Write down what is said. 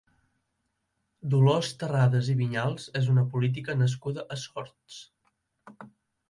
Dolors Terradas i Viñals és una política nascuda a Sords.